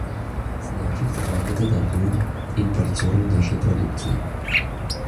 Значыць, загадзя датуем імпарцёраў нашай прадукцыі.